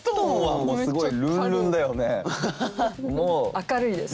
明るいですか？